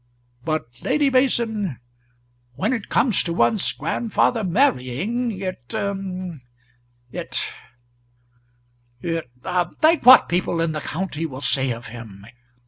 But, Lady Mason, when it comes to one's grandfather marrying, it it it . Think what people in the county will say of him.